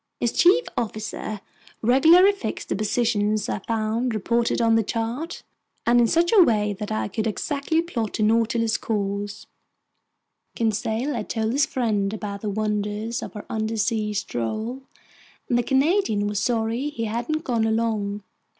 His chief officer regularly fixed the positions I found reported on the chart, and in such a way that I could exactly plot the Nautilus's course. Conseil and Land spent the long hours with me. Conseil had told his friend about the wonders of our undersea stroll, and the Canadian was sorry he hadn't gone along.